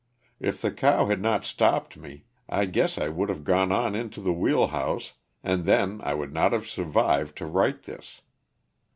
If the cow had not stopped me I guess I would have gone on into the wheel house, and then I would not have survived to write this.